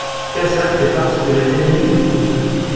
Cazac fait partie de l'académie de Toulouse.